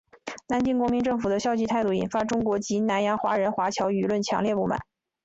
南京国民政府的消极态度引发中国及南洋华人华侨舆论强烈不满。